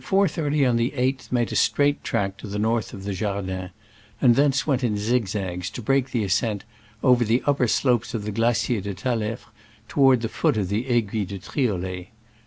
30 on the 8th made a straight track to the north of the Jardin, and thence went in zigzags, to break the ascent, over the upper slopes of the Glacier de Tal^fre toward the foot of the Aiguille de Trio let.